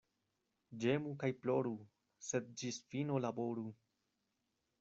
Ĝemu kaj ploru, sed ĝis fino laboru.